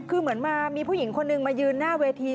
คือเหมือนมามีผู้หญิงคนนึงมายืนหน้าเวที